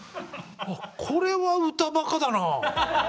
これは歌バカだなあ。